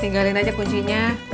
tinggalin aja kuncinya